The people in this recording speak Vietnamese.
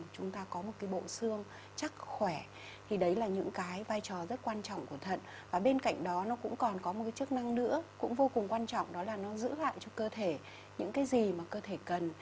chúng ta có một cái bộ xương chắc khỏe thì đấy là những cái vai trò rất quan trọng của thận và bên cạnh đó nó cũng còn có một cái chức năng nữa cũng vô cùng quan trọng đó là nó giữ lại cho cơ thể những cái gì mà cơ thể cần